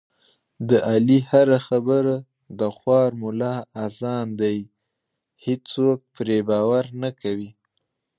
د علي هره خبره د خوار ملا اذان دی، هېڅوک پرې باور نه کوي.